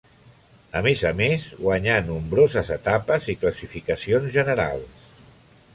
A més a més guanyà nombroses etapes i classificacions generals.